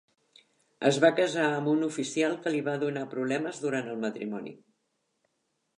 Es va casar amb un oficial que li va donar problemes durant el matrimoni.